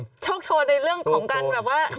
น่าจะโชคโทนในเรื่องของกันแบบว่า